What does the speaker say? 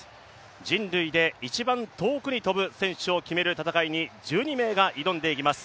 人類で一番遠くに跳ぶ選手を決める戦いに１２名が挑んでいきます。